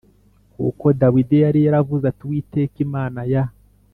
Kuko Dawidi yari yavuze ati Uwiteka Imana ya